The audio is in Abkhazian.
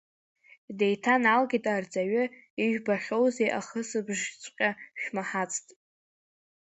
Деиҭаналагеит арҵаҩы, ижәбахьоузеи, ахысбжьыҵәҟьа шәмаҳацт.